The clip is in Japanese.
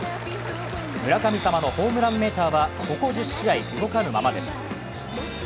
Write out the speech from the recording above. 村神様のホームランメーターはここ１０試合動かぬままです。